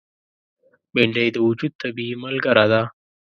بېنډۍ د وجود طبیعي ملګره ده